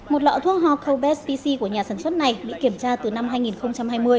một lọ thuốc hobes pc của nhà sản xuất này bị kiểm tra từ năm hai nghìn hai mươi